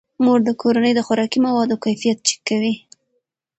مور د کورنۍ د خوراکي موادو کیفیت چک کوي.